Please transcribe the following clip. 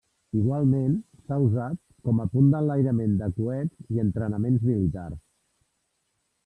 Igualment s'ha usat com a punt d'enlairament de coets i entrenaments militars.